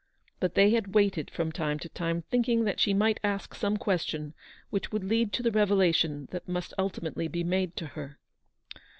But they had waited from time to time, thinking that she might ask some question which would lead to the revelation that must ultimately be made to her.